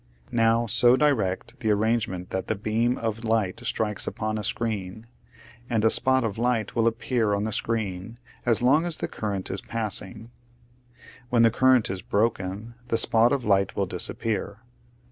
Now so direct the ar rangement that the beam of light strikes upon a screen, and a spot of light will appear on the screen as long as the current is passing; when the current is broken the spot of light will disappear.